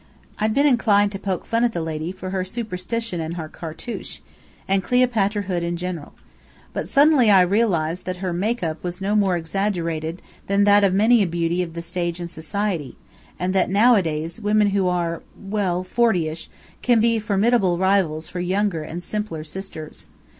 I'd been inclined to poke fun at the lady for her superstition and her cartouche, and Cleopatra hood in general. But suddenly I realized that her make up was no more exaggerated than that of many a beauty of the stage and of society: and that nowadays, women who are well, forty ish can be formidable rivals for younger and simpler sisters.